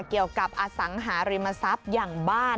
กับอสังหาริมทรัพย์อย่างบ้าน